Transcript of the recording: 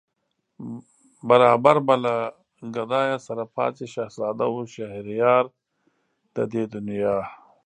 برابر به له گدايه سره پاڅي شهزاده و شهريار د دې دنیا